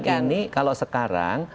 nah perundingan ini kalau sekarang